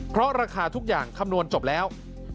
เพราะราคาทุกอย่างคำนวณจบแล้ว